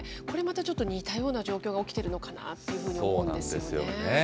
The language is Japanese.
これまたちょっと似たような状況が起きてるのかなというふうに思そうなんですよね。